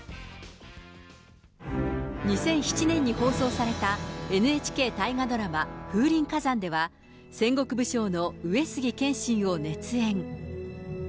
２００７年に放送されたＮＨＫ大河ドラマ、風林火山では戦国武将の上杉謙信を熱演。